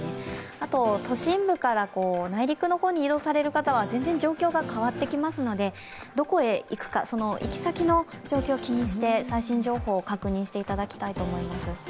あと、都心部から内陸の方に移動される方は全然状況が変わってきますので、ちどこへ行くかその行き先の状況を気にして最新情報を確認していただきたいと思います。